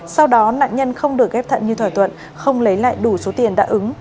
sau đó nạn nhân không được ghép thận như thỏa thuận không lấy lại đủ số tiền đã ứng